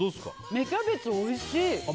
芽キャベツ、おいしい！